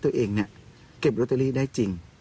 ตัวเองเนี่ยเก็บลอตเตอรี่ได้จริง